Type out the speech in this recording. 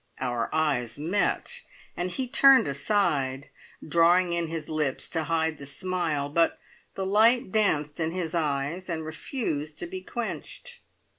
Our eyes met, and he turned aside, drawing in his lips to hide the smile, but the light danced in his eyes, and refused to be quenched.